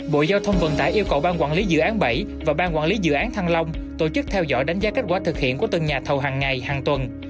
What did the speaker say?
bộ giao thông vận tải yêu cầu ban quản lý dự án bảy và ban quản lý dự án thăng long tổ chức theo dõi đánh giá kết quả thực hiện của từng nhà thầu hàng ngày hàng tuần